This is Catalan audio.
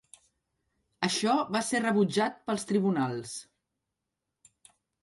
Això va ser rebutjat pels tribunals.